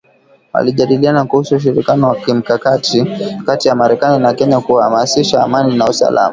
Walijadiliana kuhusu ushirikiano wa kimkakati kati ya Marekani na Kenya kuhamasisha amani na usalama